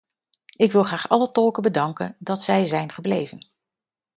Ik wil graag alle tolken bedanken dat zij zijn gebleven.